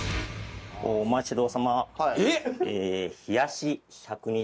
お待ちどおさま